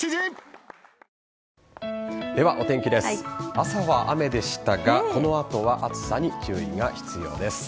朝は雨でしたがこの後は暑さに注意が必要です。